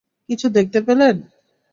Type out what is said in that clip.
কিছু দেখতে পেলেন?